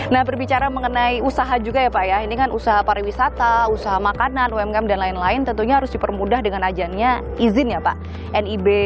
nah berbicara mengenai usaha juga ya pak ya ini kan usaha pariwisata usaha makanan umkm dan lain lain tentunya harus dipermudah dengan ajannya izin ya pak nib